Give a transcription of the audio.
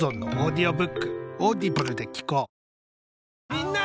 みんな！